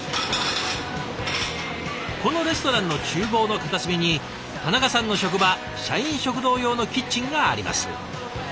このレストランのちゅう房の片隅に田中さんの職場社員食堂用のキッチンがあります。